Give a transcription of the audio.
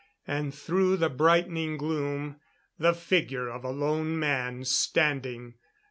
And through the brightening gloom the figure of a lone man standing.